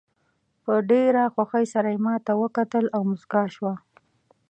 په ډېره خوښۍ سره یې ماته وکتل او موسکاه شوه.